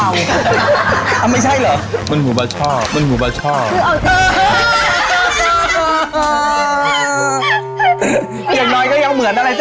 อย่างน้อยก็ยังเหมือนอะไรสักอย่างนึงแล้วว่ะ